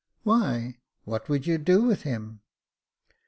"Why, what would you do with him